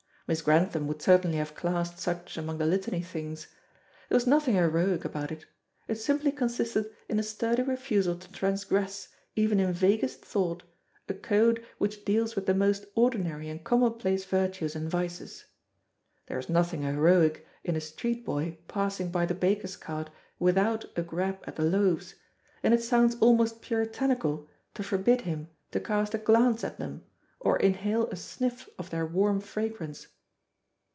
Miss Grantham would certainly have classed such among the litany things. There was nothing heroic about it. It simply consisted in a sturdy refusal to transgress, even in vaguest thought, a code which deals with the most ordinary and commonplace virtues and vices. There is nothing heroic in a street boy passing by the baker's cart without a grab at the loaves, and it sounds almost puritanical to forbid him to cast a glance at them, or inhale a sniff of their warm fragrance.